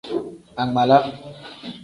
Angmaala.